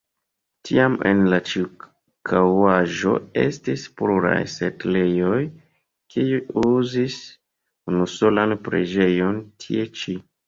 Tiam en la ĉirkaŭaĵo estis pluraj setlejoj, kiuj uzis unusolan preĝejon tie ĉi.